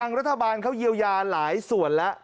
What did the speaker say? รัฐบาลเขาเยียวยาหลายส่วนแล้ว